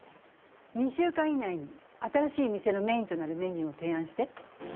２週間以内に新しい店のメインとなるメニューを提案して。